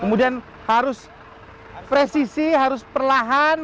kemudian harus presisi harus perlahan